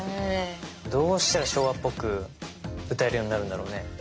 どうしたら昭和っぽく歌えるようになるんだろうね。